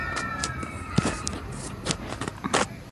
En Libia el Rey Idris I se derrocó por Coronel Muammar al-Gaddafi.